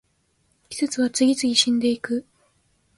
季節は次々死んでいく